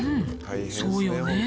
「そうよねえ」